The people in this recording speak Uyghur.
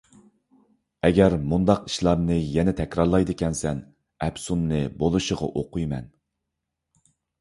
ئەگەر مۇنداق ئىشلارنى يەنە تەكرارلايدىكەنسەن، ئەپسۇننى بولۇشىغا ئوقۇيمەن!